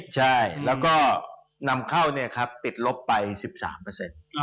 ใช่แล้วก็นำเข้าเนี่ยครับปิดลบไป๑๓เปอร์เซ็นต์